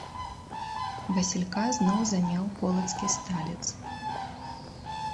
Васілька зноў заняў полацкі сталец.